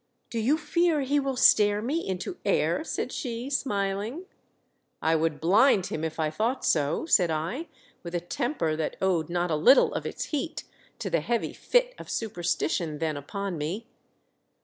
"Do you fear he will stare me into air?" said she, smiling. " I would blind him if I thought so," said I, with a temper that owed not a little of its heat to the heavy fit of superstition then upon me.